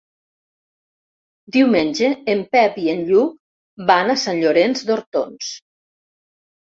Diumenge en Pep i en Lluc van a Sant Llorenç d'Hortons.